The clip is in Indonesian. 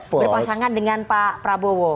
berpasangan dengan pak prabowo